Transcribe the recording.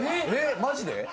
マジで？